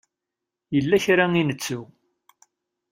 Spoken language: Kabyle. Yella kra i nettu.